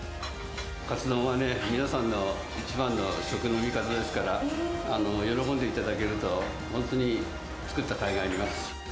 かつ丼はね、皆さんの一番の食の味方ですから、喜んでいただけると本当に作ったかいがあります。